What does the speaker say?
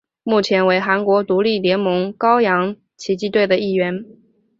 目前为韩国独立联盟高阳奇迹队一员。